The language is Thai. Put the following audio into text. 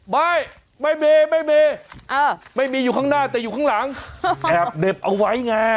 ไม่มีไม่มีอยู่ข้างหน้าแต่อยู่ข้างหลังแอบเหน็บเอาไว้ไง